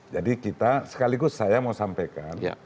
jadi kita sekaligus saya mau sampaikan